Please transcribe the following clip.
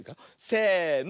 せの。